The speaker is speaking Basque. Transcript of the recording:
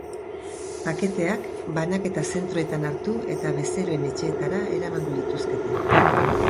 Paketeak banaketa zentroetan hartu eta bezeroen etxeetara eramango lituzkete.